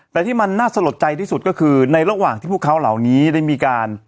แต่ที่มันน่าสะลดใจที่สุดก็คือในระหว่างที่พวกเขาเหล่านี้ได้มีการ